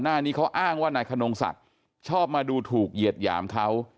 หน้านี้เขาอ้างว่านายขนงศักดิ์ชอบมาดูถูกเหยียดหยามเขา